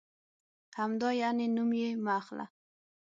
همدا یعنې؟ نوم یې مه اخله.